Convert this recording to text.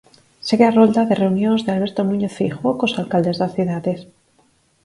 Segue a rolda de reunións de Alberto Núñez Feijóo cos alcaldes das cidades.